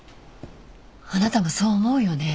あなたもそう思うよね？